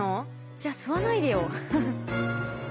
じゃあ吸わないでよ。